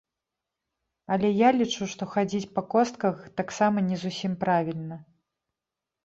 Але я лічу, што хадзіць па костках таксама не зусім правільна.